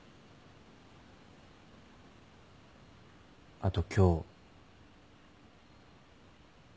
あと今日。